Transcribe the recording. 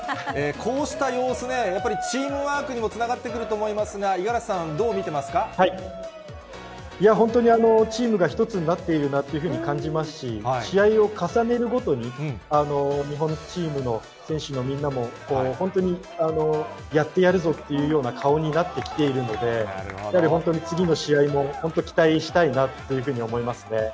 こうした様子ね、やっぱりチームワークにもつながってくると思いますが、五十嵐さいや、本当にチームが一つになっているなというふうに感じますし、試合を重ねるごとに、日本チームの選手のみんなも、本当にやってやるぞというような顔になってきているので、やはり本当に次の試合も本当、期待したいなというふうに思いますね。